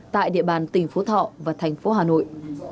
tại địa bàn tỉnh phú thọ và thành phố hà nội